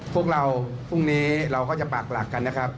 พวกเราพรุ่งนี้เราก็จะปากหลักกันนะครับ